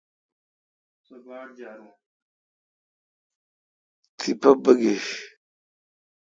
تیپہ بگیݭ ۔